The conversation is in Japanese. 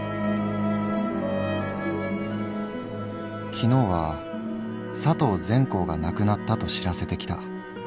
「昨日は佐藤全孝が亡くなったと知らせてきた。